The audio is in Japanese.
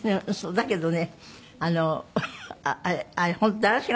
だけどね